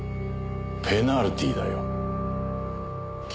ペナルティーだよ。